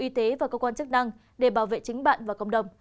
cảm ơn quý vị và cơ quan chức năng để bảo vệ chính bạn và cộng đồng